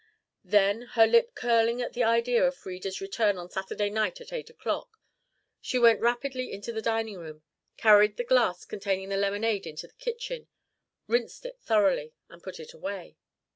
Then, her lip curling at the idea of Frieda's return on Saturday night at eight o'clock, she went rapidly into the dining room, carried the glass containing the lemonade into the kitchen, rinsed it thoroughly, and put it away.